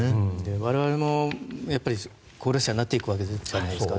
我々も高齢者になっていくわけじゃないですか。